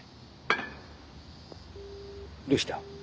（打どうした？